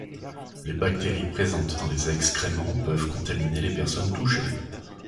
Les bactéries présentes dans les excréments peuvent contaminer les personnes touchées.